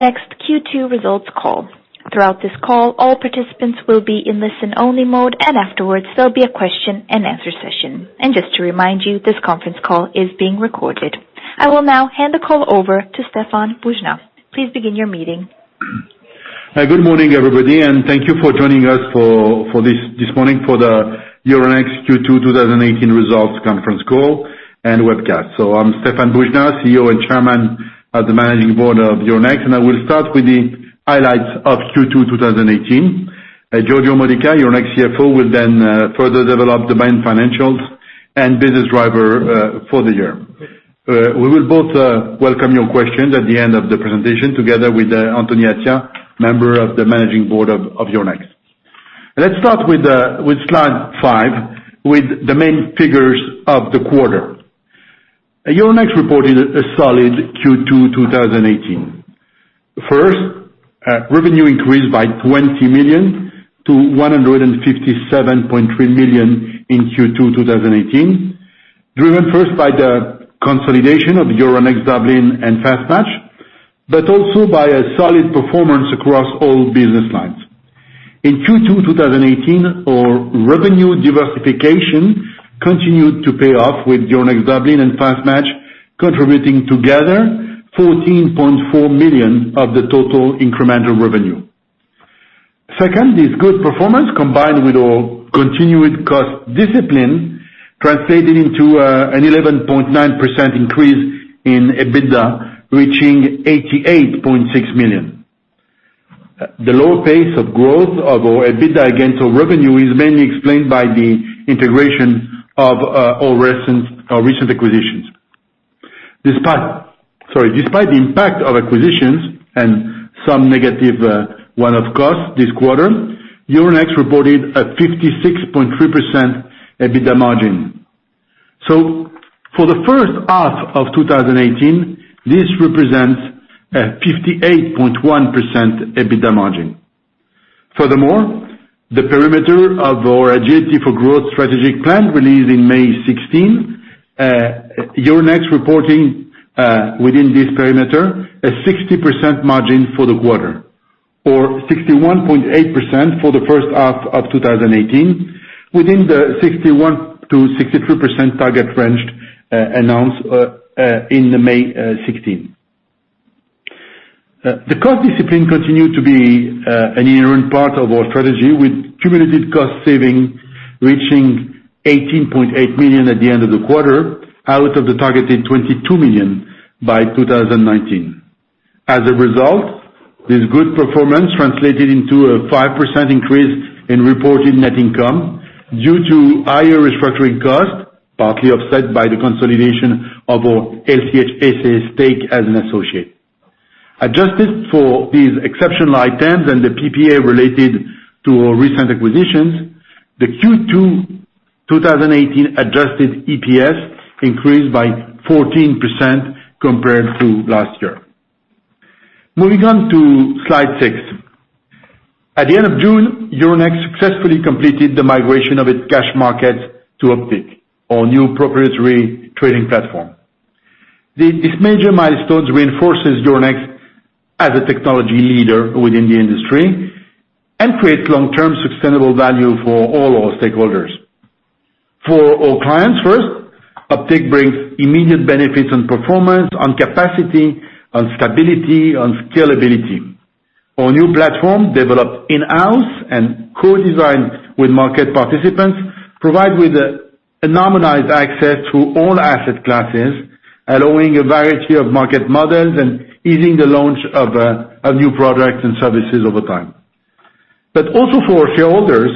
Next Q2 results call. Throughout this call, all participants will be in listen-only mode, afterwards, there will be a question and answer session. Just to remind you, this conference call is being recorded. I will now hand the call over to Stéphane Boujnah. Please begin your meeting. Hi. Good morning, everybody, thank you for joining us this morning for the Euronext Q2 2018 results conference call and webcast. I am Stéphane Boujnah, CEO and Chairman of the Managing Board of Euronext, I will start with the highlights of Q2 2018. Giorgio Modica, Euronext CFO, will further develop the main financials and business driver for the year. We will both welcome your questions at the end of the presentation, together with Anthony Attia, Member of the Managing Board of Euronext. Let's start with slide five, with the main figures of the quarter. Euronext reported a solid Q2 2018. Revenue increased by 20 million to 157.3 million in Q2 2018, driven first by the consolidation of Euronext Dublin and Fastmatch, also by a solid performance across all business lines. In Q2 2018, our revenue diversification continued to pay off with Euronext Dublin and Fastmatch contributing together 14.4 million of the total incremental revenue. This good performance, combined with our continued cost discipline, translated into an 11.9% increase in EBITDA, reaching 88.6 million. The lower pace of growth of our EBITDA against our revenue is mainly explained by the integration of our recent acquisitions. Despite the impact of acquisitions and some negative one-off costs this quarter, Euronext reported a 56.3% EBITDA margin. For the first half of 2018, this represents a 58.1% EBITDA margin. Furthermore, the perimeter of our Agility for Growth strategic plan released in May 2016, Euronext reporting within this perimeter a 60% margin for the quarter, or 61.8% for the first half of 2018, within the 61%-63% target range announced in May 2016. The cost discipline continued to be an inherent part of our strategy, with cumulative cost saving reaching 18.8 million at the end of the quarter, out of the targeted 22 million by 2019. As a result, this good performance translated into a 5% increase in reported net income due to higher restructuring costs, partly offset by the consolidation of our LCH SA stake as an associate. Adjusted for these exceptional items and the PPA related to our recent acquisitions, the Q2 2018 adjusted EPS increased by 14% compared to last year. Moving on to slide six. At the end of June, Euronext successfully completed the migration of its cash markets to Optiq, our new proprietary trading platform. This major milestones reinforces Euronext as a technology leader within the industry and creates long-term sustainable value for all our stakeholders. For our clients first, Optiq brings immediate benefits on performance, on capacity, on stability, on scalability. Our new platform developed in-house and co-designed with market participants, provide with a harmonized access to all asset classes, allowing a variety of market models and easing the launch of new products and services over time. Also for our shareholders,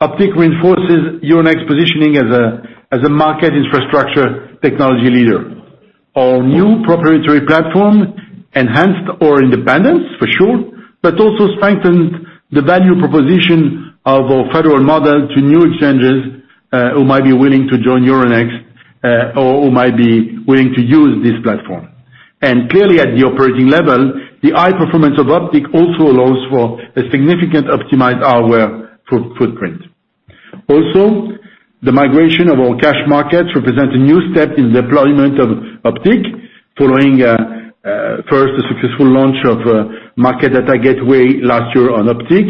Optiq reinforces Euronext's positioning as a market infrastructure technology leader. Our new proprietary platform enhanced our independence for sure, but also strengthened the value proposition of our federal model to new exchanges who might be willing to join Euronext or who might be willing to use this platform. Clearly at the operating level, the high performance of Optiq also allows for a significant optimized hardware footprint. Also, the migration of our cash markets represents a new step in deployment of Optiq following first, the successful launch of Market Data Gateway last year on Optiq,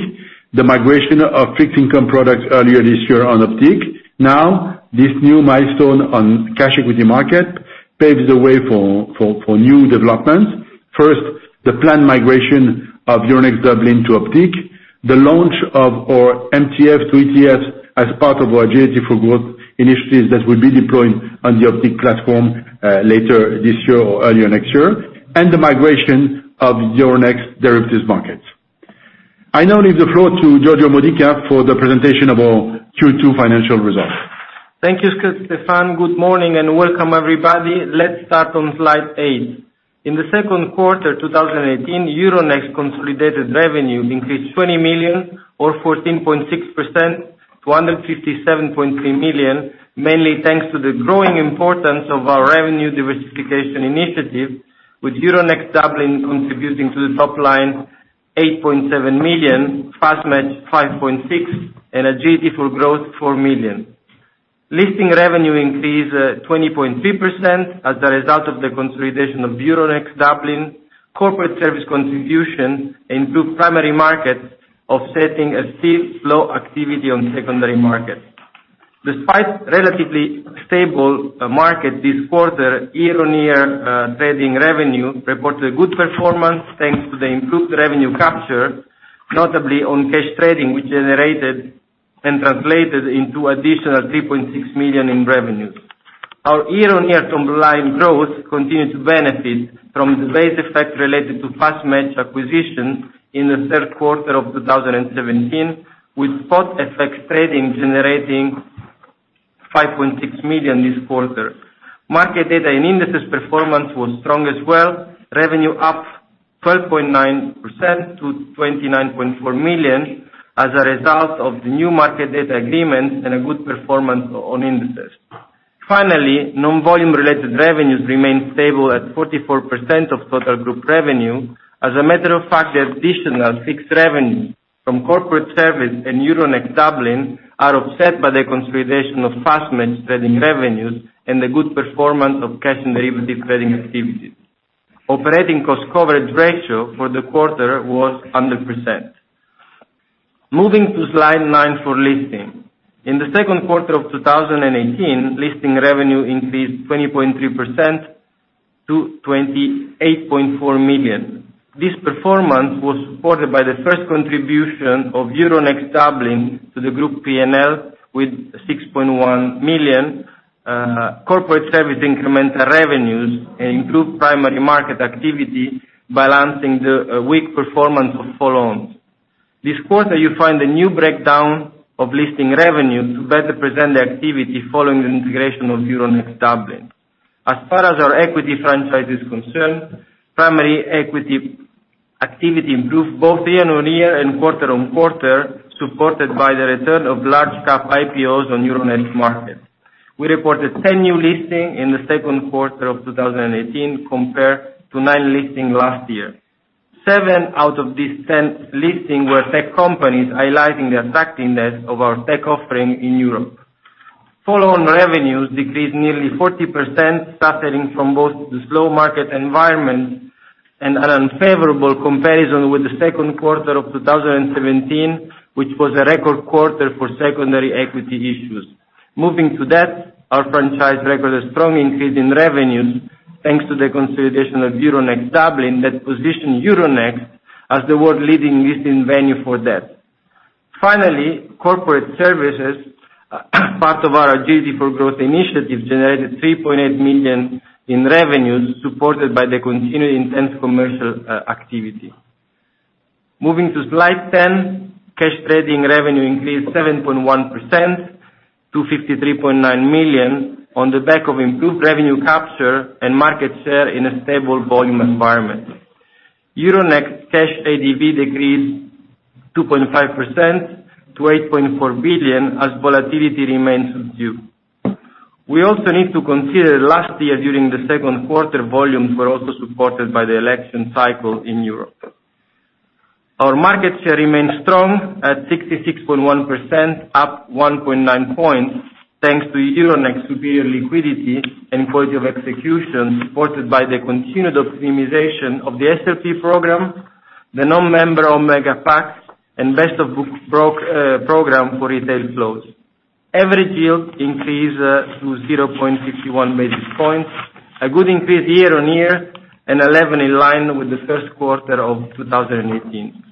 the migration of fixed income products earlier this year on Optiq. Now, this new milestone on cash equity market paves the way for new developments. First, the planned migration of Euronext Dublin to Optiq, the launch of our MTF to ETFs as part of our Agility for Growth initiatives that we'll be deploying on the Optiq platform later this year or early next year, and the migration of Euronext derivatives markets. I now leave the floor to Giorgio Modica for the presentation of our Q2 financial results. Thank you, Stéphane. Good morning and welcome, everybody. Let's start on slide eight. In the second quarter 2018, Euronext consolidated revenue increased 20 million or 14.6% to 157.3 million, mainly thanks to the growing importance of our revenue diversification initiative, with Euronext Dublin contributing to the top line 8.7 million, Fastmatch 5.6, and Agility for Growth, 4 million. Listing revenue increased 20.3% as a result of the consolidation of Euronext Dublin. Corporate service contribution improved primary markets, offsetting a still slow activity on secondary markets. Despite relatively stable market this quarter, year-on-year trading revenue reported a good performance thanks to the improved revenue capture, notably on cash trading, which generated and translated into additional 3.6 million in revenues. Our year-on-year top line growth continued to benefit from the base effect related to Fastmatch acquisition in the third quarter of 2017, with spot FX trading generating 5.6 million this quarter. Market data and indices performance was strong as well. Revenue up 12.9% to 29.4 million as a result of the new market data agreement and a good performance on indices. Finally, non-volume related revenues remained stable at 44% of total group revenue. As a matter of fact, the additional fixed revenue from corporate service and Euronext Dublin are offset by the consolidation of Fastmatch trading revenues and the good performance of cash and derivative trading activities. Operating cost coverage ratio for the quarter was 100%. Moving to slide nine for listing. In the second quarter of 2018, listing revenue increased 20.3% to 28.4 million. This performance was supported by the first contribution of Euronext Dublin to the Group P&L with 6.1 million, corporate service incremental revenues, and improved primary market activity, balancing the weak performance of follow-ons. This quarter, you find a new breakdown of listing revenue to better present the activity following the integration of Euronext Dublin. As far as our equity franchise is concerned, primary equity activity improved both year-on-year and quarter-on-quarter, supported by the return of large cap IPOs on Euronext markets. We reported 10 new listings in the second quarter of 2018 compared to nine listings last year. Seven out of these 10 listings were tech companies, highlighting the attractiveness of our tech offering in Europe. Follow-on revenues decreased nearly 40%, suffering from both the slow market environment and an unfavorable comparison with the second quarter of 2017, which was a record quarter for secondary equity issues. Moving to that, our franchise recorded a strong increase in revenues thanks to the consolidation of Euronext Dublin that positioned Euronext as the world's leading listing venue for debt. Finally, corporate services, part of our Agility for Growth initiative, generated 3.8 million in revenues, supported by the continued intense commercial activity. Moving to slide 10, cash trading revenue increased 7.1% to 53.9 million on the back of improved revenue capture and market share in a stable volume environment. Euronext cash ADV decreased 2.5% to 8.4 billion as volatility remains subdued. We also need to consider last year during the second quarter, volumes were also supported by the election cycle in Europe. Our market share remains strong at 66.1%, up 1.9 points, thanks to Euronext's superior liquidity and quality of execution, supported by the continued optimization of the SLP program, the non-member Pack Omega, and best of book program for retail flows. Average yield increased to 0.61 basis points, a good increase year-on-year, and 11 in line with the first quarter of 2018.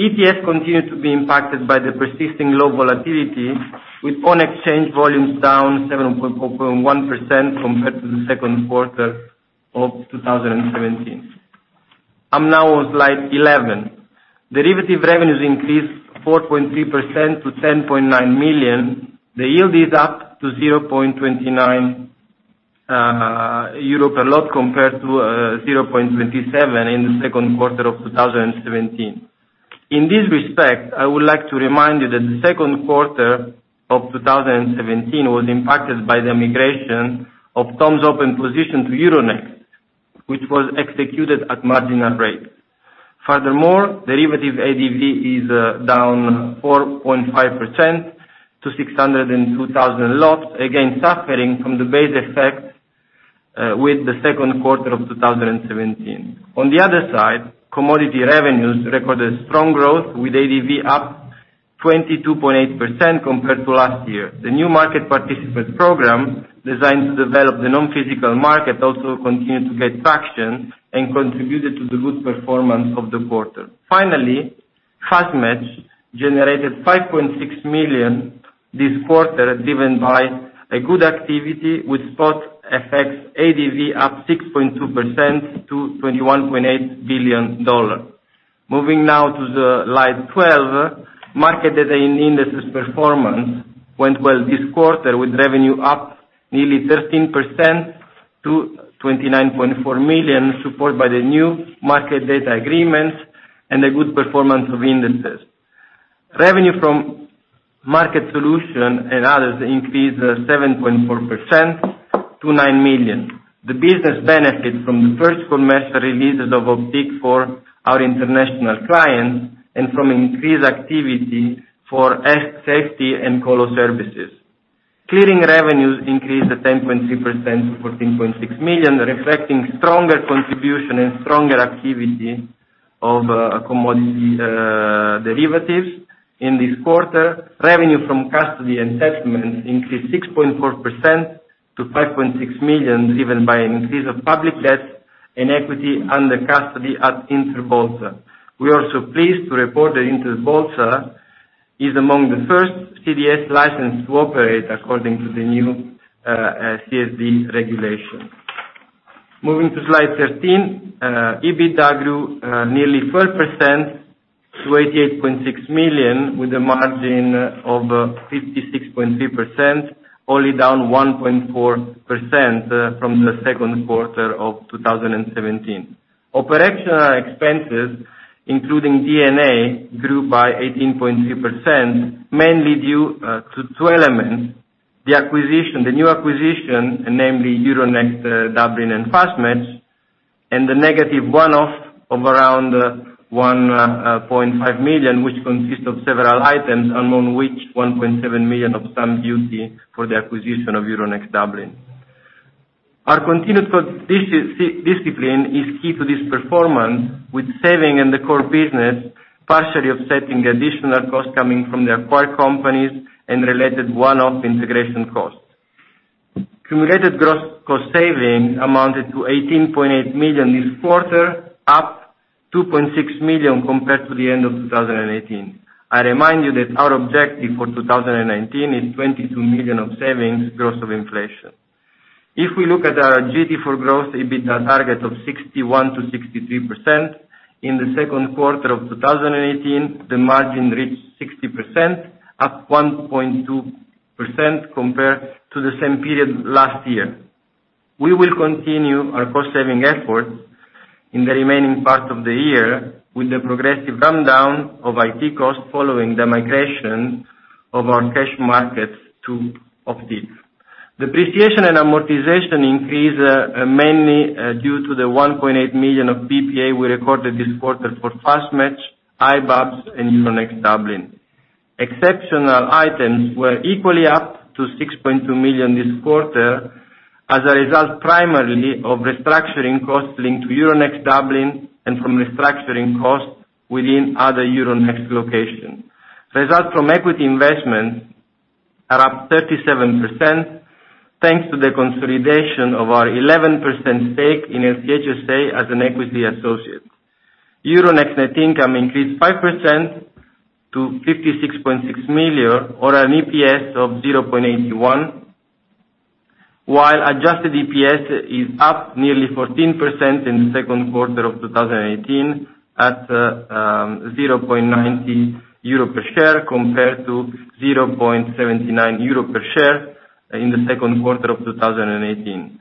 ETF continued to be impacted by the persisting low volatility, with on-exchange volumes down 7.1% compared to the second quarter of 2017. I'm now on slide 11. Derivative revenues increased 4.3% to 10.9 million. The yield is up to 0.29 euro a lot compared to 0.27 in the second quarter of 2017. In this respect, I would like to remind you that the second quarter of 2017 was impacted by the migration of TOM's open position to Euronext, which was executed at marginal rate. Furthermore, derivative ADV is down 4.5% to 602,000 lots, again suffering from the base effect with the second quarter of 2017. On the other side, commodity revenues recorded strong growth with ADV up 22.8% compared to last year. The new market participant program, designed to develop the non-physical market, also continued to gain traction and contributed to the good performance of the quarter. Finally, Fastmatch generated 5.6 million this quarter, driven by a good activity with spot FX ADV up 6.2% to $21.8 billion. Moving now to slide 12. Market data and indices performance went well this quarter, with revenue up nearly 13% to 29.4 million, supported by the new market data agreements and a good performance of indices. Revenue from market solution and others increased 7.4% to nine million. The business benefit from the first quarter releases of Optiq for our international clients, and from increased activity for SFTI and colo services. Clearing revenues increased to 10.3% to 14.6 million, reflecting stronger contribution and stronger activity of commodity derivatives in this quarter. Revenue from custody and settlement increased 6.4% to 5.6 million, driven by an increase of public debt in equity under custody at Interbolsa. We are also pleased to report that Interbolsa is among the first CSDs licensed to operate according to the new CSD regulation. Moving to slide 13, EBITDA grew nearly 4% to 88.6 million, with a margin of 56.3%, only down 1.4% from the second quarter of 2017. Operational expenses, including D&A, grew by 18.3%, mainly due to two elements, the new acquisition, namely Euronext Dublin and Fastmatch, and the negative one-off of around 1.5 million, which consists of several items, among which 1.7 million of stamp duty for the acquisition of Euronext Dublin. Our continued discipline is key to this performance, with saving in the core business partially offsetting the additional cost coming from the acquired companies and related one-off integration costs. Cumulated gross cost saving amounted to 18.8 million this quarter, up 2.6 million compared to the end of 2018. I remind you that our objective for 2019 is 22 million of savings gross of inflation. If we look at our Agility for Growth, EBITDA target of 61%-63%. In the second quarter of 2018, the margin reached 60%, up 1.2% compared to the same period last year. We will continue our cost-saving efforts in the remaining part of the year with the progressive rundown of IT costs following the migration of our cash markets to Optiq. Depreciation and amortization increased mainly due to the 1.8 million of PPA we recorded this quarter for Fastmatch, iBabs and Euronext Dublin. Exceptional items were equally up to 6.2 million this quarter as a result primarily of restructuring costs linked to Euronext Dublin and from restructuring costs within other Euronext locations. Results from equity investments are up 37%, thanks to the consolidation of our 11% stake in LCH SA as an equity associate. Euronext net income increased 5% to 56.6 million or an EPS of 0.81, while adjusted EPS is up nearly 14% in the second quarter of 2018 at 0.90 euro per share, compared to 0.79 euro per share in the second quarter of 2018.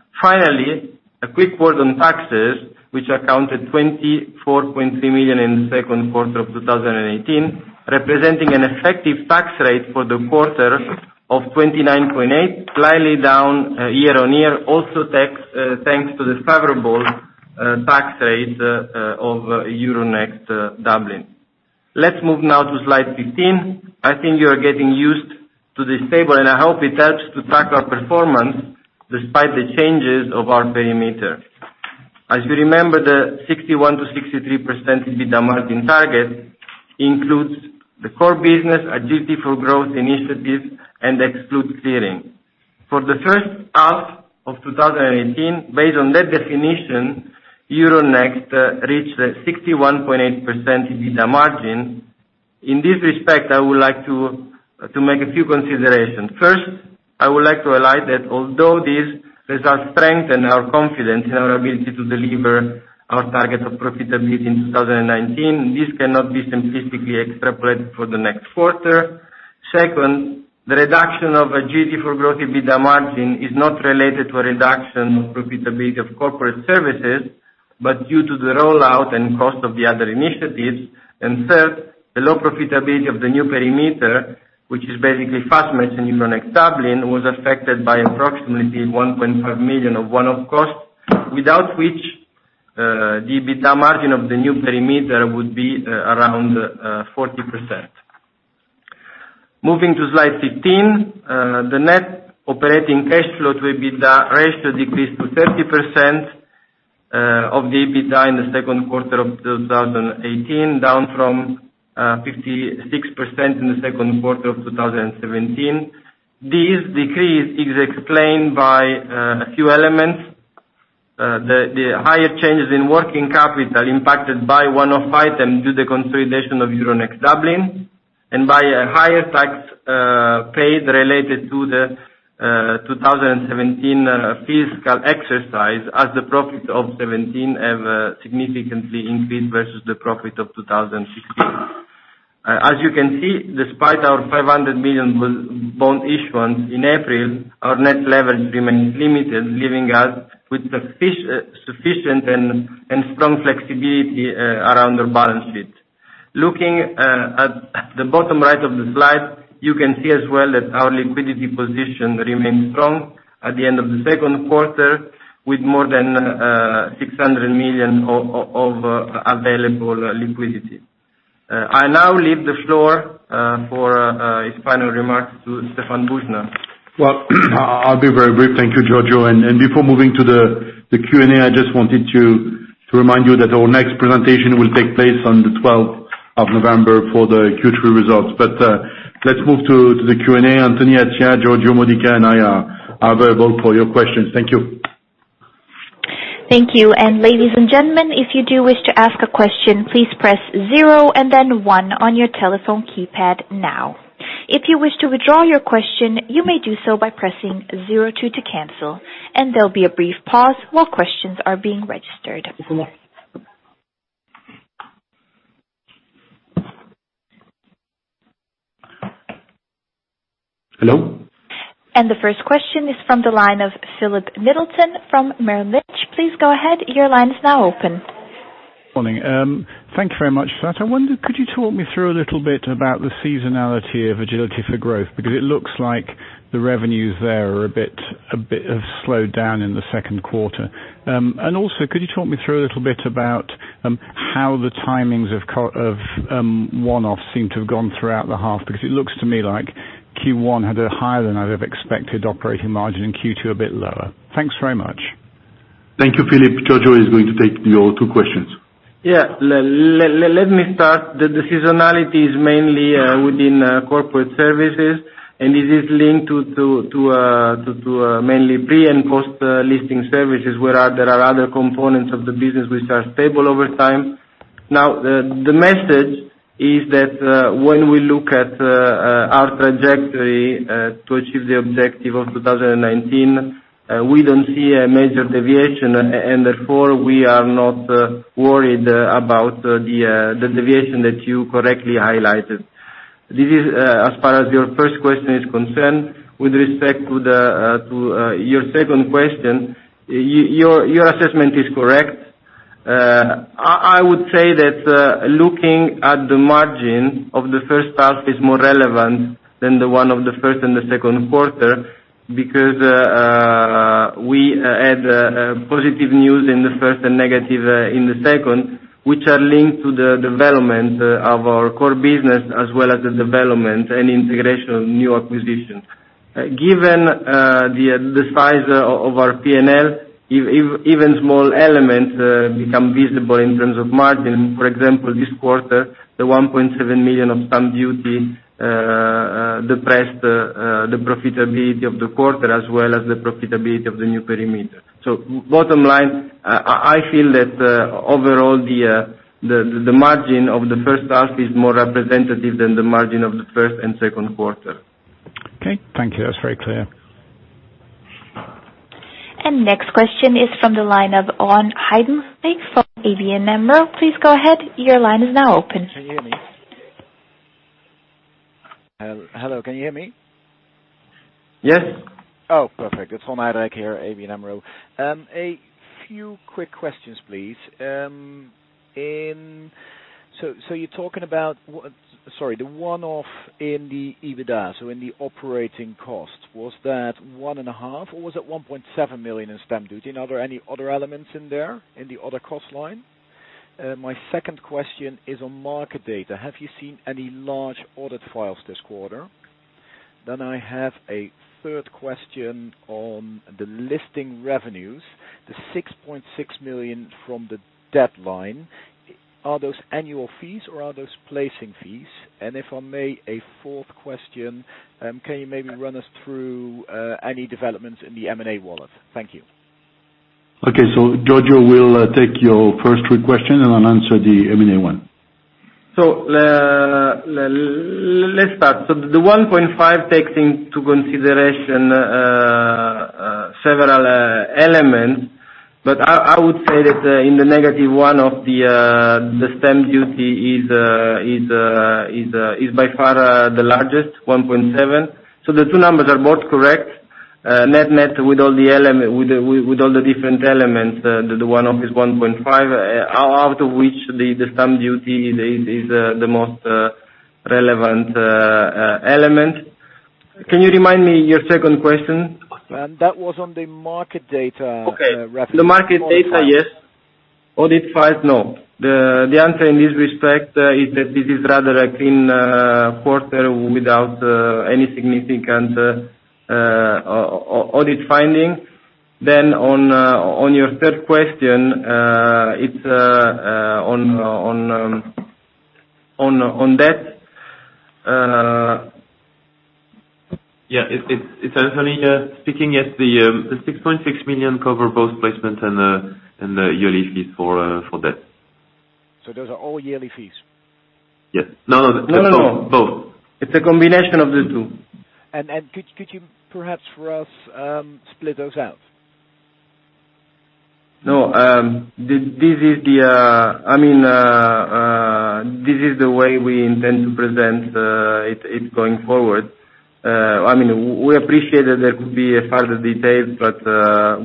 A quick word on taxes, which accounted 24.3 million in the second quarter of 2018, representing an effective tax rate for the quarter of 29.8%, slightly down year-over-year, also thanks to the favorable tax rate of Euronext Dublin. Let's move now to slide 15. I think you are getting used to this table, and I hope it helps to track our performance despite the changes of our perimeter. As you remember, the 61%-63% EBITDA margin target includes the core business, our Agility for Growth initiatives, and excludes clearing. For the first half of 2018, based on that definition, Euronext reached 61.8% EBITDA margin. In this respect, I would like to make a few considerations. First, I would like to highlight that although these results strengthen our confidence in our ability to deliver our target of profitability in 2019, this cannot be specifically extrapolated for the next quarter. Second, the reduction of Agility for Growth EBITDA margin is not related to a reduction of profitability of corporate services, but due to the rollout and cost of the other initiatives. Third, the low profitability of the new perimeter, which is basically Fastmatch and Euronext Dublin, was affected by approximately 1.5 million of one-off costs, without which the EBITDA margin of the new perimeter would be around 40%. Moving to slide 15, the net operating cash flow to EBITDA ratio decreased to 30% of the EBITDA in the second quarter of 2018, down from 56% in the second quarter of 2017. This decrease is explained by a few elements. The higher changes in working capital impacted by one-off item due to the consolidation of Euronext Dublin, and by a higher tax paid related to the 2017 fiscal exercise as the profit of 2017 have significantly increased versus the profit of 2016. As you can see, despite our 500 million bond issuance in April, our net leverage remains limited, leaving us with sufficient and strong flexibility around our balance sheet. Looking at the bottom right of the slide, you can see as well that our liquidity position remains strong at the end of the second quarter, with more than 600 million of available liquidity. I now leave the floor for final remarks to Stéphane Boujnah. Well, I'll be very brief. Thank you, Giorgio. Before moving to the Q&A, I just wanted to remind you that our next presentation will take place on the 12th of November for the Q3 results. Let's move to the Q&A. Anthony Attia, Giorgio Modica, and I are available for your questions. Thank you. Thank you. Ladies and gentlemen, if you do wish to ask a question, please press zero and then one on your telephone keypad now. If you wish to withdraw your question, you may do so by pressing zero two to cancel. There'll be a brief pause while questions are being registered. Hello? The first question is from the line of Philip Middleton from Merrill Lynch. Please go ahead. Your line is now open. Morning. Thank you very much for that. I wonder, could you talk me through a little bit about the seasonality of Agility for Growth? It looks like the revenues there have slowed down in the second quarter. Could you talk me through a little bit about how the timings of one-offs seem to have gone throughout the half? It looks to me like Q1 had a higher than I'd have expected operating margin, and Q2 a bit lower. Thanks very much. Thank you, Philip. Giorgio is going to take your two questions. Let me start. The seasonality is mainly within corporate services, and it is linked to mainly pre- and post-listing services. There are other components of the business which are stable over time. The message is that when we look at our trajectory to achieve the objective of 2019, we don't see a major deviation, and therefore, we are not worried about the deviation that you correctly highlighted. This is as far as your first question is concerned. With respect to your second question, your assessment is correct. I would say that looking at the margin of the first half is more relevant than the one of the first and the second quarter, we had positive news in the first and negative in the second, which are linked to the development of our core business, as well as the development and integration of new acquisitions. Given the size of our P&L, even small elements become visible in terms of margin. For example, this quarter, the 1.7 million of stamp duty depressed the profitability of the quarter, as well as the profitability of the new perimeter. Bottom line, I feel that overall, the margin of the first half is more representative than the margin of the first and second quarter. Okay. Thank you. That's very clear. Next question is from the line of Ron Heijdenrijk from ABN AMRO. Please go ahead. Your line is now open. Can you hear me? Hello, can you hear me? Yes. Perfect. It's Ron Heijdenrijk here, ABN AMRO. A few quick questions, please. You're talking about Sorry, the one-off in the EBITDA, in the operating cost. Was that one and a half or was it 1.7 million in stamp duty? Are there any other elements in there in the other cost line? My second question is on market data. Have you seen any large audit files this quarter? I have a third question on the listing revenues, the 6.6 million from the debt line. Are those annual fees or are those placing fees? If I may, a fourth question, can you maybe run us through any developments in the M&A wallet? Thank you. Okay. Giorgio will take your first three questions and I'll answer the M&A one. Let's start. The 1.5 takes into consideration several elements, but I would say that in the negative one of the stamp duty is by far the largest, 1.7. The two numbers are both correct. Net with all the different elements, the one off is 1.5, out of which the stamp duty is the most relevant element. Can you remind me your second question? That was on the market data. Okay. The market data, yes. Audit files, no. The answer in this respect is that this is rather a clean quarter without any significant audit findings. On your third question, it's on debt. Yeah. It is Anthony speaking. Yes, the 6.6 million cover both placement and the yearly fees for debt. Those are all yearly fees? Yes. No, no. No, no. Both. It's a combination of the two. Could you perhaps for us split those out? No, this is the way we intend to present it going forward. We appreciate that there could be further details, but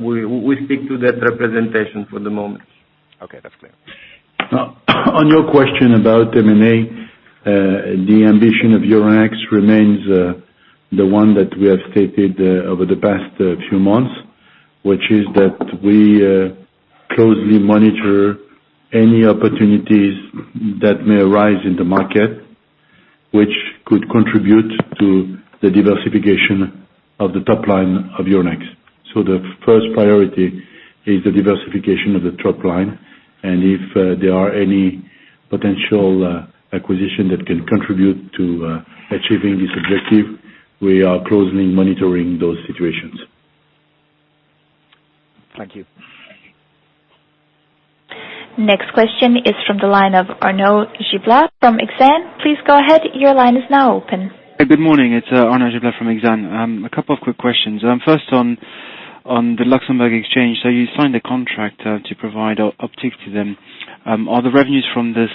we speak to that representation for the moment. Okay. That's clear. On your question about M&A, the ambition of Euronext remains the one that we have stated over the past few months, which is that we closely monitor any opportunities that may arise in the market, which could contribute to the diversification of the top line of Euronext. The first priority is the diversification of the top line, and if there are any potential acquisition that can contribute to achieving this objective, we are closely monitoring those situations. Thank you. Next question is from the line of Arnaud Giblat from Exane. Please go ahead. Your line is now open. Good morning. It's Arnaud Giblat from Exane. A couple of quick questions. First, on the Luxembourg Exchange, you signed a contract to provide Optiq to them. Are the revenues from this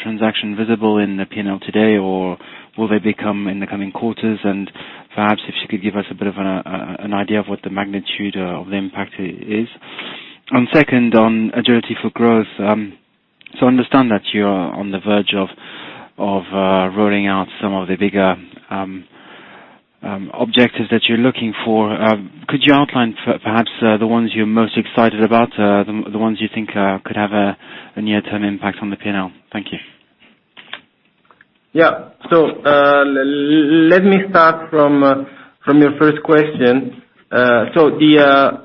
transaction visible in the P&L today, or will they become in the coming quarters? Perhaps, if you could give us a bit of an idea of what the magnitude of the impact is. Second, on Agility for Growth. I understand that you're on the verge of rolling out some of the bigger objectives that you're looking for. Could you outline perhaps the ones you're most excited about, the ones you think could have a near-term impact on the P&L? Thank you. Let me start from your first question. The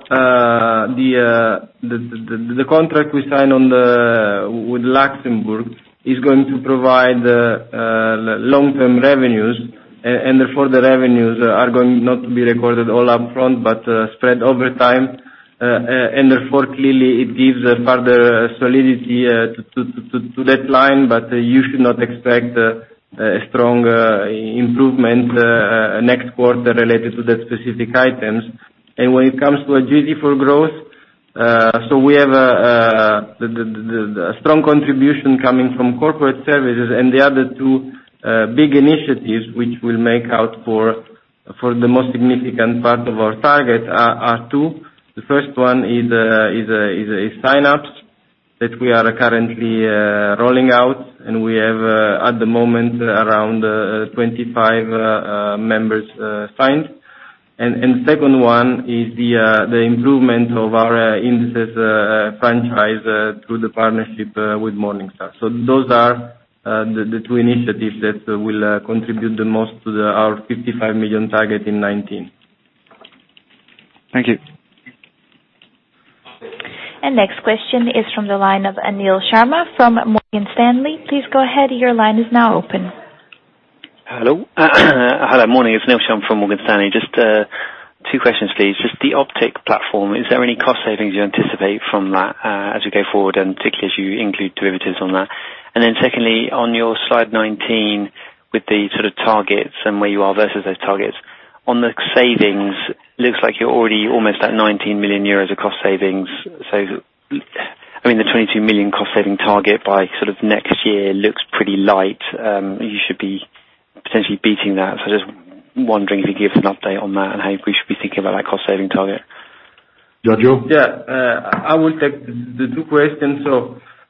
contract we signed with Luxembourg is going to provide long-term revenues, and therefore the revenues are going not to be recorded all upfront, but spread over time. Therefore, clearly it gives further solidity to that line, but you should not expect a strong improvement next quarter related to that specific items. When it comes to Agility for Growth, we have the strong contribution coming from corporate services and the other two big initiatives which will make out for the most significant part of our target are two. The first one is a sign-ups that we are currently rolling out, and we have at the moment around 25 members signed. Second one is the improvement of our indices franchise through the partnership with Morningstar. Those are the two initiatives that will contribute the most to our 55 million target in 2019. Thank you. Next question is from the line of Anil Sharma from Morgan Stanley. Please go ahead. Your line is now open. Hello. Hello. Morning. It's Anil Sharma from Morgan Stanley. Just two questions, please. Just the Optiq platform, is there any cost savings you anticipate from that as you go forward, and particularly as you include derivatives on that? Secondly, on your slide 19 with the sort of targets and where you are versus those targets, on the savings, looks like you're already almost at 19 million euros of cost savings. I mean, the 22 million cost-saving target by next year looks pretty light. You should be potentially beating that. Just wondering if you could give us an update on that and how we should be thinking about that cost-saving target. Giorgio? Yeah. I will take the two questions.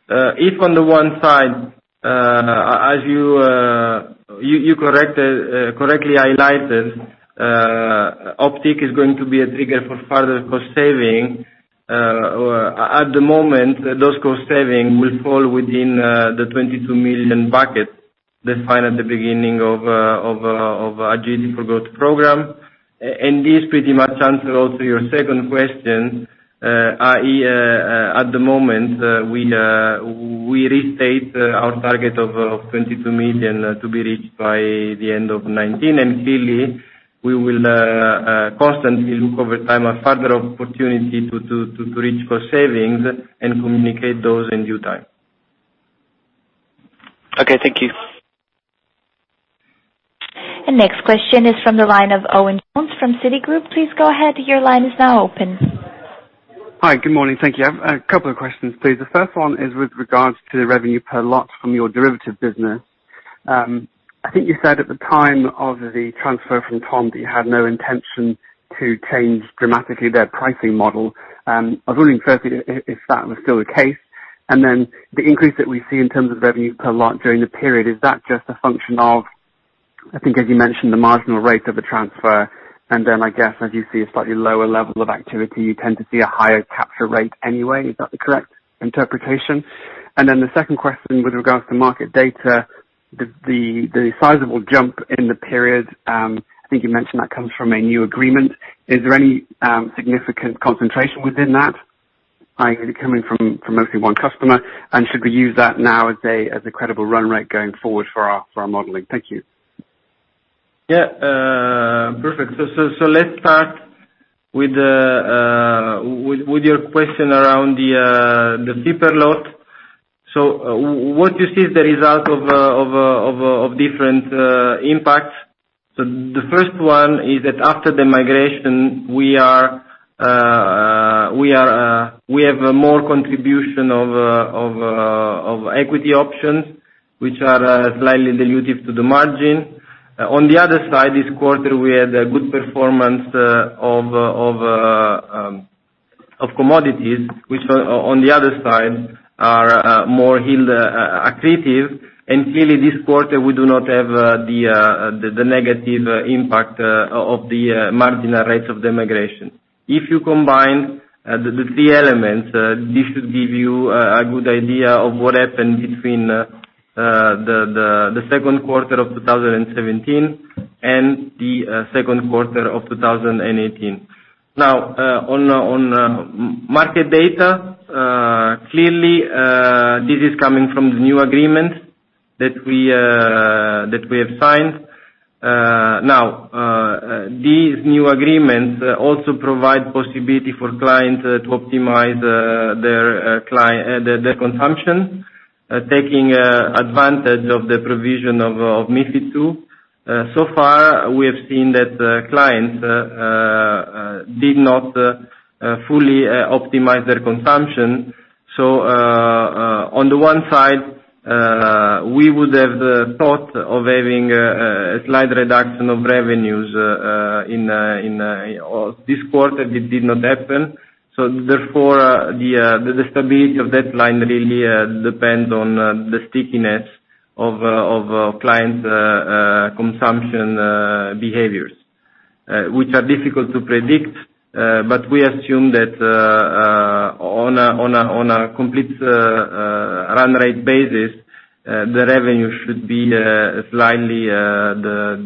If on the one side, as you correctly highlighted, Optiq is going to be a trigger for further cost saving. At the moment, those cost saving will fall within the 22 million bucket defined at the beginning of Agility for Growth program. This pretty much answer also your second question. At the moment, we restate our target of 22 million to be reached by the end of 2019, clearly we will constantly look over time a further opportunity to reach cost savings and communicate those in due time. Okay, thank you. Next question is from the line of Owen Jones from Citigroup. Please go ahead. Your line is now open. Hi. Good morning. Thank you. A couple of questions, please. The first one is with regards to the revenue per lot from your derivative business. I think you said at the time of the transfer from TOM that you had no intention to change dramatically their pricing model. I was really interested if that was still the case. The increase that we see in terms of revenue per lot during the period, is that just a function of, I think as you mentioned, the marginal rate of the transfer, as you see a slightly lower level of activity, you tend to see a higher capture rate anyway. Is that the correct interpretation? The second question with regards to market data, the sizable jump in the period, I think you mentioned that comes from a new agreement. Is there any significant concentration within that? Is it coming from mostly one customer? Should we use that now as a credible run rate going forward for our modeling? Thank you. Perfect. Let's start with your question around the fee per lot. What you see is the result of different impacts. The first one is that after the migration, We have more contribution of equity options, which are slightly dilutive to the margin. On the other side, this quarter, we had a good performance of commodities, which on the other side are more accretive. Clearly this quarter, we do not have the negative impact of the marginal rates of the migration. If you combine the three elements, this should give you a good idea of what happened between the second quarter of 2017 and the second quarter of 2018. On market data. Clearly, this is coming from the new agreement that we have signed. These new agreements also provide possibility for clients to optimize their consumption, taking advantage of the provision of MiFID II. So far, we have seen that clients did not fully optimize their consumption. On the one side, we would have thought of having a slight reduction of revenues this quarter. It did not happen. The stability of that line really depends on the stickiness of clients' consumption behaviors, which are difficult to predict. We assume that on a complete run rate basis, the revenue should be slightly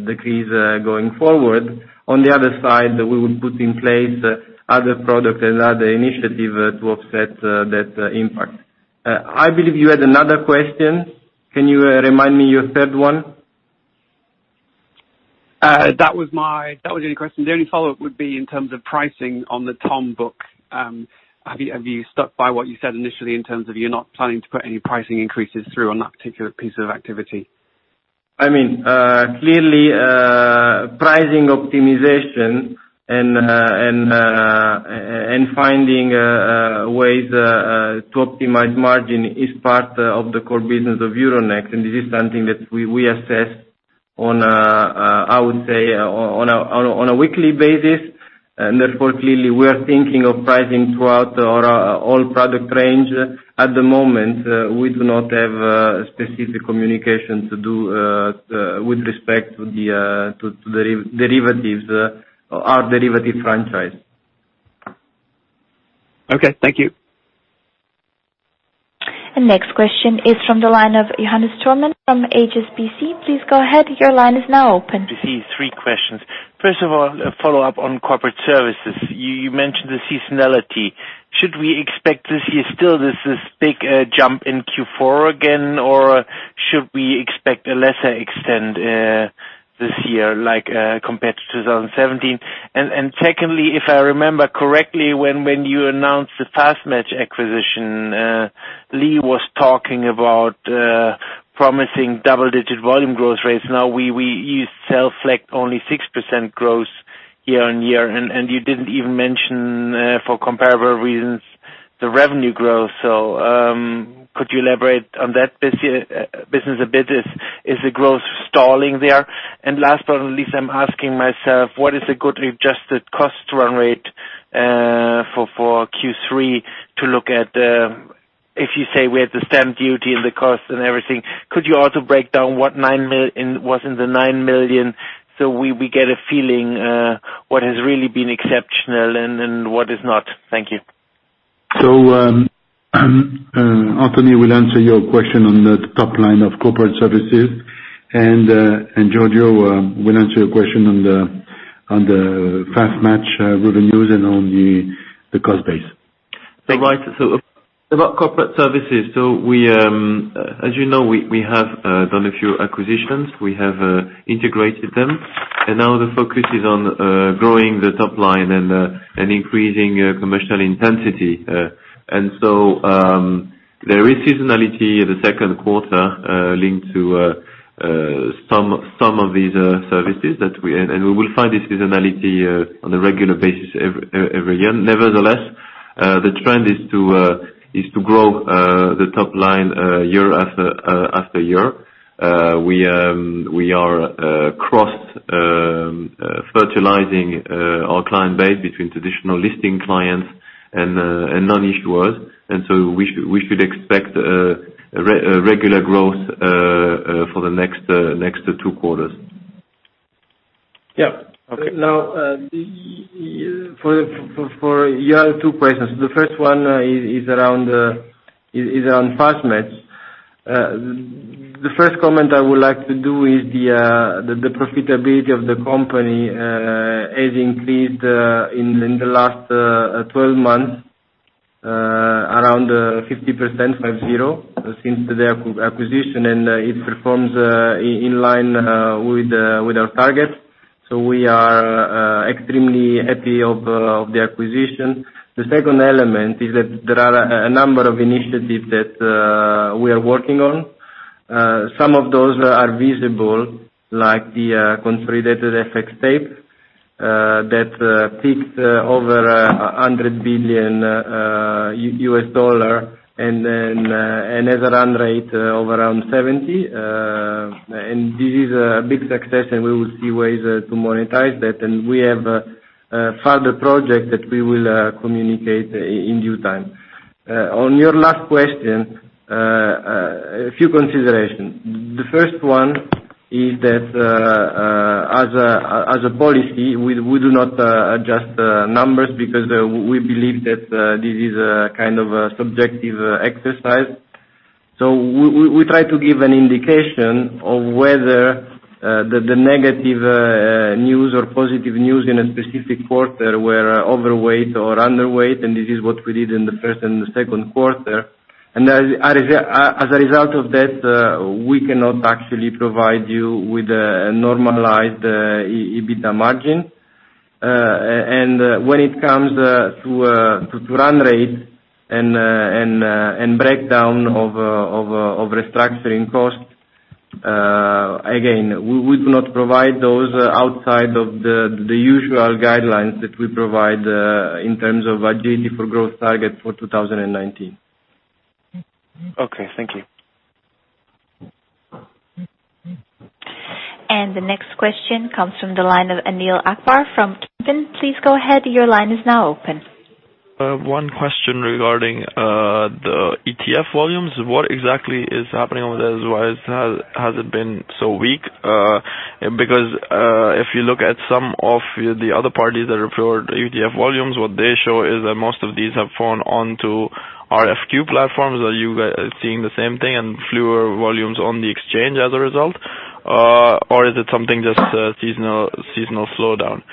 decrease going forward. On the other side, we will put in place other products and other initiatives to offset that impact. I believe you had another question. Can you remind me your third one? That was the only question. The only follow-up would be in terms of pricing on the TOM book. Have you stuck by what you said initially in terms of you're not planning to put any pricing increases through on that particular piece of activity? Clearly, pricing optimization and finding ways to optimize margin is part of the core business of Euronext. This is something that we assess on, I would say, on a weekly basis. Therefore, clearly, we are thinking of pricing throughout our all product range. At the moment, we do not have a specific communication to do with respect to our derivative franchise. Okay. Thank you. The next question is from the line of Johannes Thormann from HSBC. Please go ahead. Your line is now open. Three questions. First of all, a follow-up on corporate services. You mentioned the seasonality. Should we expect this year still this big jump in Q4 again, or should we expect a lesser extent this year compared to 2017? Secondly, if I remember correctly, when you announced the Fastmatch acquisition, [inaudible] was talking about promising double-digit volume growth rates. Now, you self-flagged only 6% growth year-on-year, and you didn't even mention, for comparable reasons, the revenue growth. Could you elaborate on that business a bit? Is the growth stalling there? Last but not least, I'm asking myself, what is a good adjusted cost run rate for Q3 to look at if you say we have the stamp duty and the cost and everything, could you also break down what's in the 9 million so we get a feeling what has really been exceptional and what is not? Thank you. Anthony will answer your question on the top line of corporate services, and Giorgio will answer your question on the Fastmatch revenues and on the cost base. Right. About corporate services. As you know, we have done a few acquisitions. We have integrated them, and now the focus is on growing the top line and increasing commercial intensity. There is seasonality in the second quarter linked to some of these services, and we will find this seasonality on a regular basis every year. Nevertheless, the trend is to grow the top line year-after-year. We are cross-fertilizing our client base between traditional listing clients and non-issuers. We should expect a regular growth for the next two quarters. Okay. You have two questions. The first one is around Fastmatch. The first comment I would like to do is the profitability of the company has increased in the last 12 months around 50% since the acquisition, and it performs in line with our targets. We are extremely happy of the acquisition. The second element is that there are a number of initiatives that we are working on. Some of those are visible, like the consolidated FX tape, that ticks over $100 billion and has a run rate of around 70. This is a big success, and we will see ways to monetize that. We have further project that we will communicate in due time. On your last question, a few considerations. The first one is that, as a policy, we do not adjust numbers because we believe that this is a kind of subjective exercise. We try to give an indication of whether the negative news or positive news in a specific quarter were overweight or underweight, and this is what we did in the first and the second quarter. As a result of that, we cannot actually provide you with a normalized EBITDA margin. When it comes to run rate and breakdown of restructuring costs, again, we do not provide those outside of the usual guidelines that we provide, in terms of Agility for Growth target for 2019. Okay. Thank you. The next question comes from the line of Anil Akbar from TD. Please go ahead. Your line is now open. One question regarding the ETF volumes. What exactly is happening with this? Why has it been so weak? Because, if you look at some of the other parties that report ETF volumes, what they show is that most of these have gone on to RFQ platforms. Are you guys seeing the same thing and fewer volumes on the exchange as a result, or is it something just a seasonal slowdown?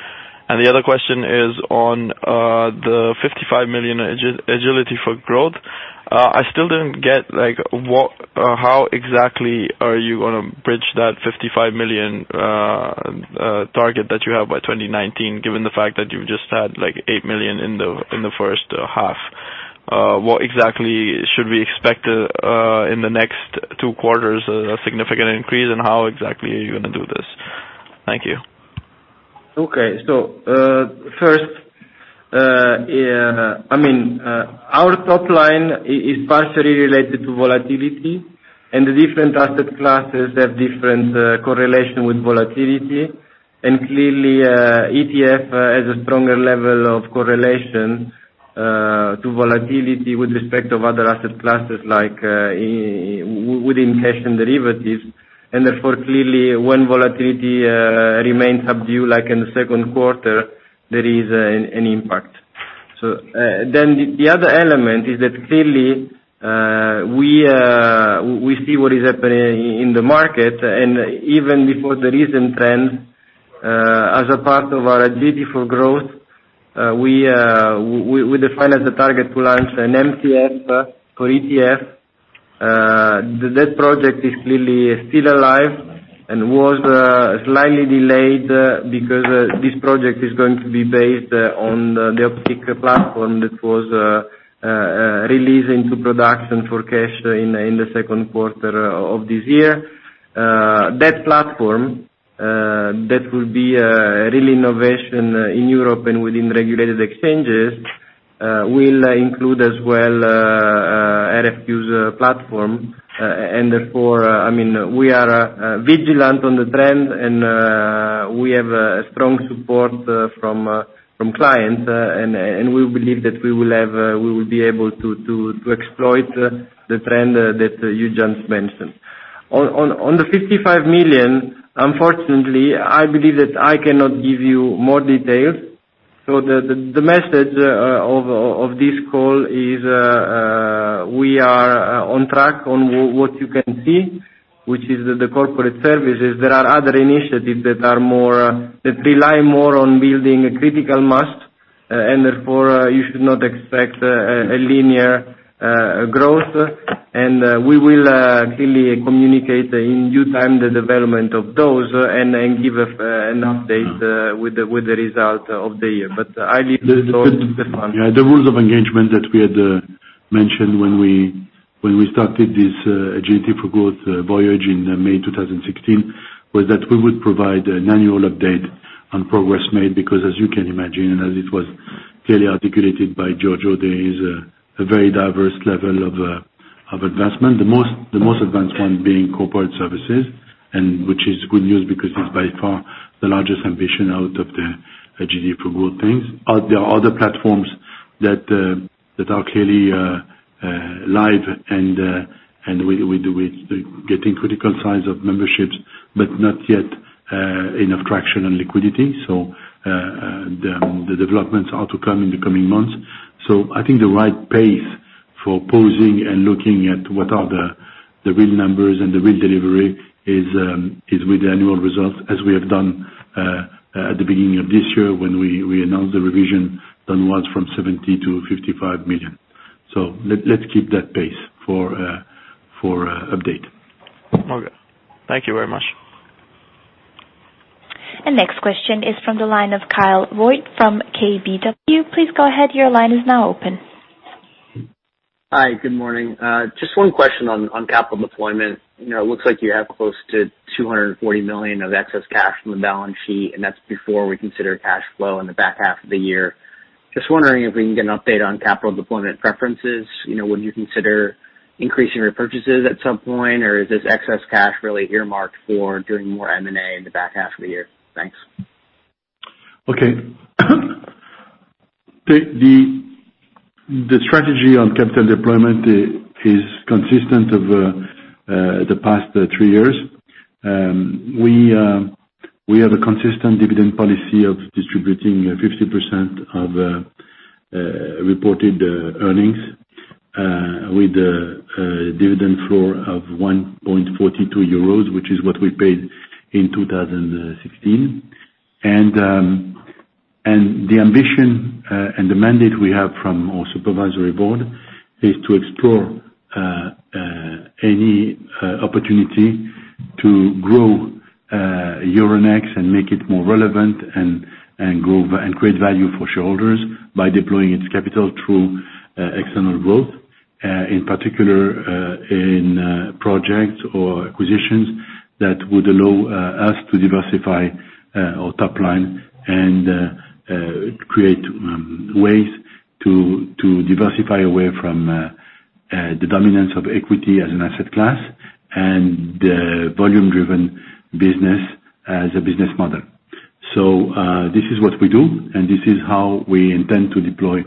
The other question is on the 55 million Agility for Growth. I still didn't get how exactly are you going to bridge that 55 million target that you have by 2019, given the fact that you've just had 8 million in the first half. What exactly should we expect in the next two quarters, a significant increase, how exactly are you going to do this? Thank you. Okay. First, our top line is partially related to volatility, and the different asset classes have different correlation with volatility. Clearly, ETF has a stronger level of correlation to volatility with respect of other asset classes, like, within cash and derivatives. Therefore, clearly, when volatility remains subdued, like in the second quarter, there is an impact. The other element is that clearly, we see what is happening in the market. Even before the recent trends, as a part of our Agility for Growth, we defined as a target to launch an MTF for ETF. That project is clearly still alive and was slightly delayed because this project is going to be based on the Optiq platform that was released into production for cash in the second quarter of this year. That platform, that will be a real innovation in Europe and within regulated exchanges, will include as well RFQ platform. Therefore, we are vigilant on the trend and we have a strong support from clients. We believe that we will be able to exploit the trend that you just mentioned. On the 55 million, unfortunately, I believe that I cannot give you more details. The message of this call is, we are on track on what you can see, which is the corporate services. There are other initiatives that rely more on building a critical mass, and therefore, you should not expect a linear growth. We will clearly communicate in due time the development of those and give an update with the result of the year. I leave this one to Stéphane. The rules of engagement that we had mentioned when we started this Agility for Growth voyage in May 2016, was that we would provide an annual update on progress made, because as you can imagine, and as it was clearly articulated by Giorgio, there is a very diverse level of advancement. The most advanced one being corporate services, and which is good news because it's by far the largest ambition out of the Agility for Growth things. There are other platforms that are clearly live and with getting critical size of memberships, but not yet enough traction and liquidity. The developments are to come in the coming months. I think the right pace for pausing and looking at what are the real numbers and the real delivery is with the annual results, as we have done at the beginning of this year when we announced the revision done once from 70 million to 55 million. Let's keep that pace for update. Okay. Thank you very much. The next question is from the line of Kyle Voigt from KBW. Please go ahead. Your line is now open. Hi, good morning. Just one question on capital deployment. It looks like you have close to 240 million of excess cash on the balance sheet, and that's before we consider cash flow in the back half of the year. Just wondering if we can get an update on capital deployment preferences. Would you consider increasing your purchases at some point, or is this excess cash really earmarked for doing more M&A in the back half of the year? Thanks. Okay. The strategy on capital deployment is consistent of the past three years. We have a consistent dividend policy of distributing 50% of reported earnings, with a dividend flow of 1.42 euros, which is what we paid in 2016. The ambition and the mandate we have from our supervisory board is to explore any opportunity to grow Euronext and make it more relevant and create value for shareholders by deploying its capital through external growth. In particular, in projects or acquisitions that would allow us to diversify our top line and create ways to diversify away from the dominance of equity as an asset class and volume-driven business as a business model. This is what we do, and this is how we intend to deploy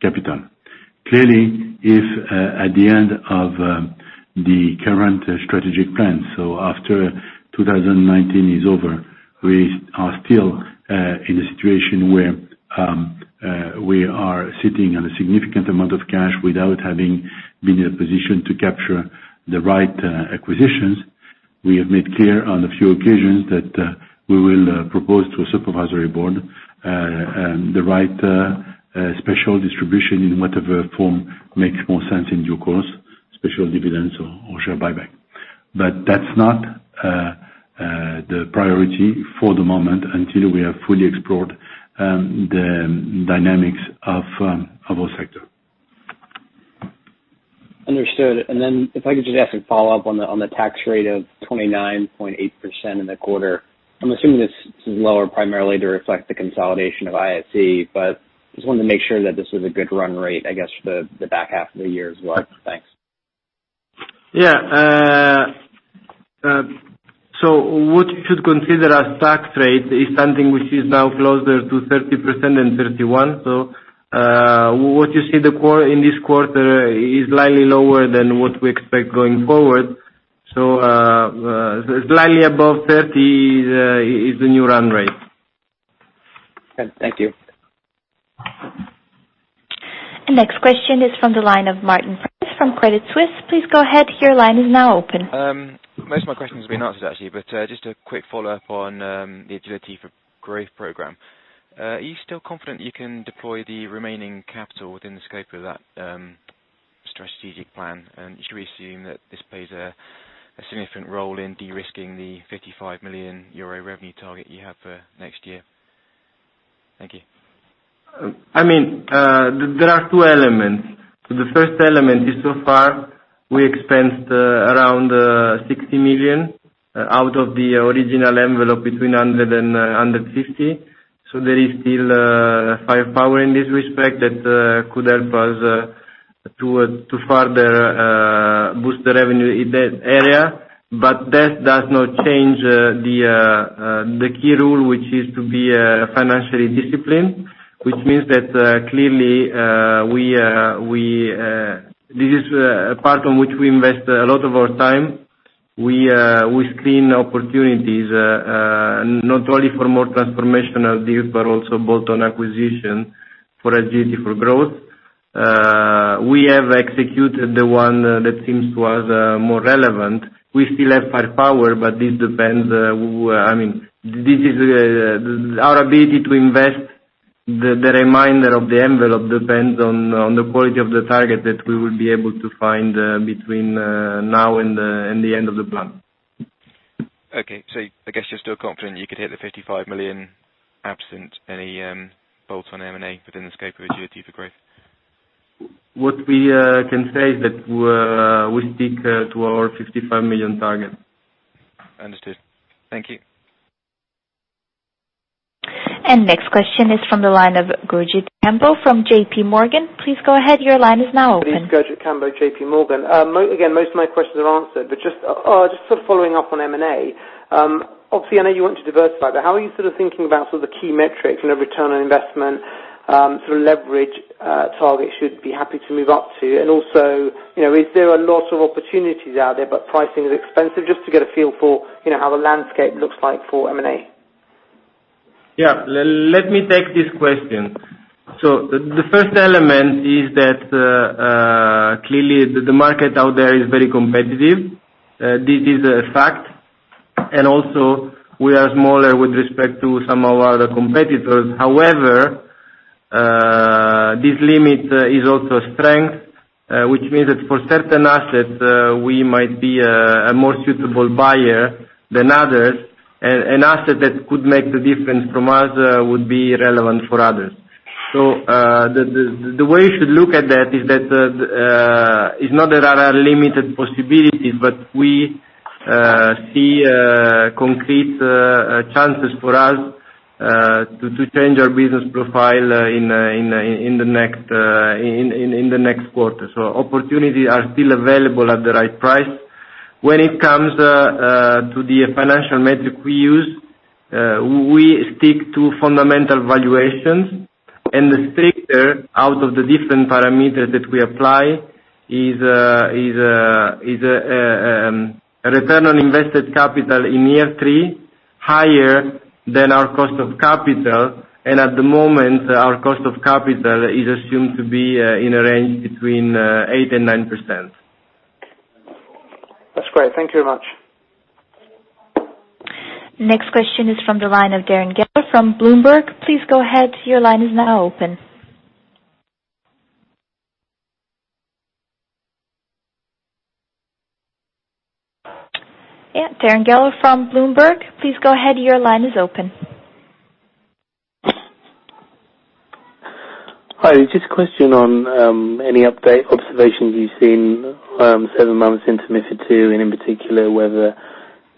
capital. Clearly, if at the end of the current strategic plan, after 2019 is over, we are still in a situation where we are sitting on a significant amount of cash without having been in a position to capture the right acquisitions. We have made clear on a few occasions that we will propose to a supervisory board the right special distribution in whatever form makes more sense in due course, special dividends or share buyback. That's not the priority for the moment until we have fully explored the dynamics of our sector. Understood. If I could just ask a follow-up on the tax rate of 29.8% in the quarter. I'm assuming this is lower primarily to reflect the consolidation of ISE, just wanted to make sure that this was a good run rate, I guess, for the back half of the year as well. Thanks. Yeah. What you should consider as tax rate is something which is now closer to 30% than 31. What you see in this quarter is slightly lower than what we expect going forward. Slightly above 30 is the new run rate. Good. Thank you. The next question is from the line of Martin Price from Credit Suisse. Please go ahead. Your line is now open. Most of my question has been answered actually, but just a quick follow-up on the Agility for Growth program. Are you still confident you can deploy the remaining capital within the scope of that strategic plan? Should we assume that this plays a significant role in de-risking the 55 million euro revenue target you have for next year? Thank you. There are two elements. The first element is, so far, we expensed around 60 million out of the original envelope between 100 million and 150 million. There is still firepower in this respect that could help us to further boost the revenue in that area. That does not change the key rule, which is to be financially disciplined, which means that clearly, this is a part on which we invest a lot of our time. We screen opportunities, not only for more transformational deals, but also bolt-on acquisition for Agility for Growth. We have executed the one that seems to us more relevant. We still have firepower, Our ability to invest the remainder of the envelope depends on the quality of the target that we will be able to find between now and the end of the plan. Okay. I guess you're still confident you could hit the 55 million absent any bolt-on M&A within the scope of Agility for Growth. What we can say is that we stick to our 55 million target. Understood. Thank you. Next question is from the line of Gurjit Kambo from JP Morgan. Please go ahead. Your line is now open. This is Gurjit Kambo, JP Morgan. Again, most of my questions are answered, but just sort of following up on M&A. Obviously, I know you want to diversify, but how are you sort of thinking about some of the key metrics, return on investment, sort of leverage targets should be happy to move up to? Is there a lot of opportunities out there, but pricing is expensive, just to get a feel for how the landscape looks like for M&A? Yeah. Let me take this question. The first element is that clearly the market out there is very competitive. This is a fact. We are smaller with respect to some of our competitors. This limit is also a strength, which means that for certain assets, we might be a more suitable buyer than others. An asset that could make the difference from us would be relevant for others. The way you should look at that is not that there are limited possibilities, but we see concrete chances for us to change our business profile in the next quarter. Opportunities are still available at the right price. When it comes to the financial metric we use, we stick to fundamental valuations. The stricter, out of the different parameters that we apply, is a return on invested capital in year three higher than our cost of capital. At the moment, our cost of capital is assumed to be in a range between 8% and 9%. That's great. Thank you very much. Next question is from the line of Larry Geller from Bloomberg. Please go ahead. Your line is now open. Yeah, Larry Geller from Bloomberg. Please go ahead, your line is open. Hi. Just a question on any update observations you've seen seven months into MiFID II, in particular, whether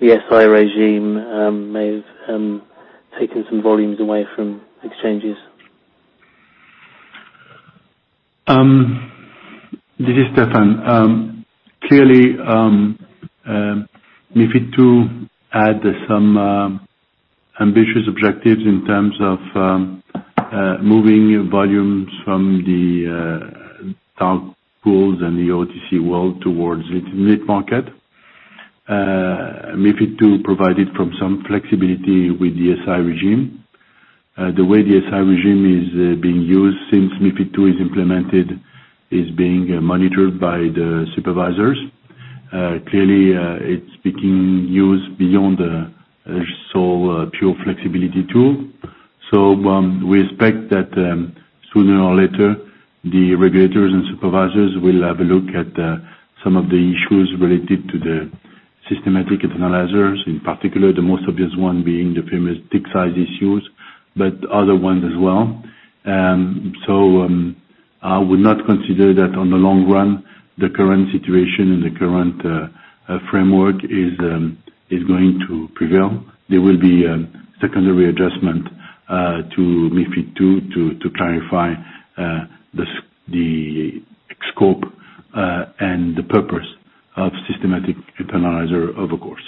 the SI regime may have taken some volumes away from exchanges. This is Stéphane. Clearly, MiFID II had some ambitious objectives in terms of moving volumes from the dark pools and the OTC world towards lit market. MiFID II provided from some flexibility with the SI regime. The way the SI regime is being used since MiFID II is implemented is being monitored by the supervisors. Clearly, it's being used beyond a sole pure flexibility tool. We expect that sooner or later, the regulators and supervisors will have a look at some of the issues related to the systematic internalizers. In particular, the most obvious one being the famous tick size issues, but other ones as well. I would not consider that on the long run, the current situation and the current framework is going to prevail. There will be a secondary adjustment to MiFID II to clarify the scope and the purpose of systematic internalizer over course.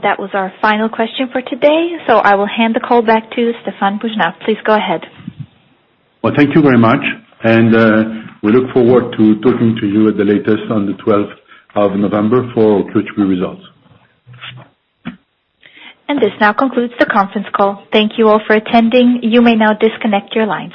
That was our final question for today, I will hand the call back to Stéphane Boujnah. Please go ahead. Well, thank you very much, and we look forward to talking to you at the latest on the 12th of November for our Q3 results. This now concludes the conference call. Thank you all for attending. You may now disconnect your lines.